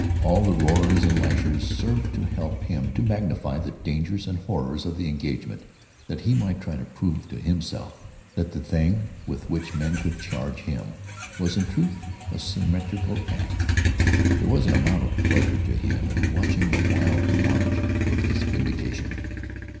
All the roarers and lashers served to help him to magnify the dangers and horrors of the engagement that he might try to prove to himself that the thing with which men could charge him was in truth a symmetrical act. There was an amount of pleasure to him in watching the wild march of this vindication.